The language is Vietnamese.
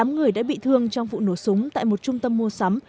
tám người đã bị thương trong vụ nổ súng tại một trung tâm mua sắm